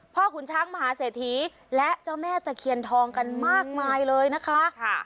ขุนช้างมหาเศรษฐีและเจ้าแม่ตะเคียนทองกันมากมายเลยนะคะ